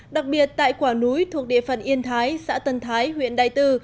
đặc biệt tại quả núi thuộc địa phận yên thái xã tân thái huyện đại từ